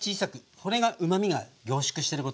これがうまみが凝縮してることになりますね。